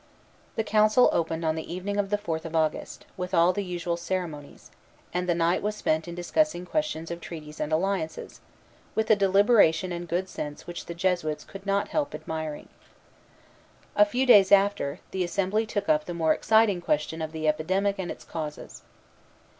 The council opened on the evening of the fourth of August, with all the usual ceremonies; and the night was spent in discussing questions of treaties and alliances, with a deliberation and good sense which the Jesuits could not help admiring. A few days after, the assembly took up the more exciting question of the epidemic and its causes.